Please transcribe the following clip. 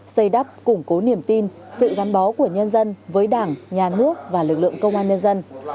xây đắp củng cố niềm tin sự gắn bó của nhân dân với đảng nhà nước và lực lượng công an nhân dân